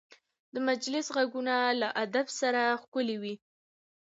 د مجلس غږونه له ادب سره ښکلي وي